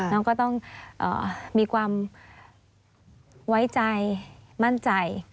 น้องก็ต้องมีความไว้ใจมั่นใจ